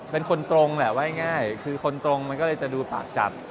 เป็นคนตรงแหละว่าง่ายคือคนตรงมันก็เลยจะดูปากจัด